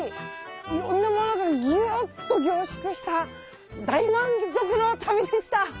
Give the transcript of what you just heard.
いろんなものがギュっと凝縮した大満足の旅でした！